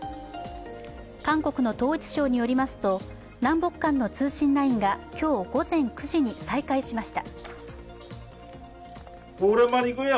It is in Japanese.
韓国の統一省によりますと、南北間の通信ラインが今日午前９時に再開しました。